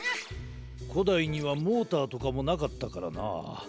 こだいにはモーターとかもなかったからな。